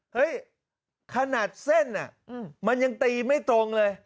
เฮ้ยขนาดเส้นมันยังตีไม่ตรงเลย